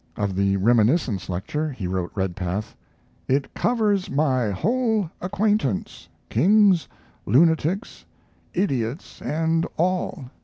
Of the "Reminiscence" lecture he wrote Redpath: "It covers my whole acquaintance; kings, lunatics, idiots, and all."